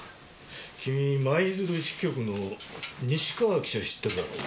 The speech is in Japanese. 君舞鶴支局の西川記者知ってるだろう？